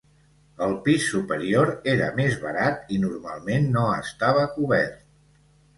El pis superior era més barat i normalment no estava cobert.